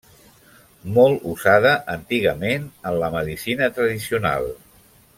Molt usada antigament en la medicina tradicional.